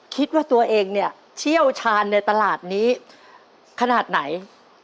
คิดว่าตัวเองเนี่ยเชี่ยวชาญในตลาดนี้ขนาดไหน